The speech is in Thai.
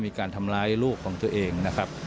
มีการทำร้ายลูกของตัวเองนะครับ